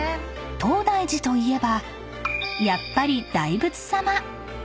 ［東大寺といえばやっぱり大仏さま］